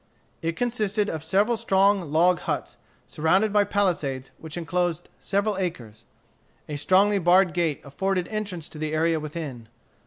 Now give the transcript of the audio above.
It consisted of several strong log huts, surrounded by palisades which enclosed several acres. A strongly barred gate afforded entrance to the area within.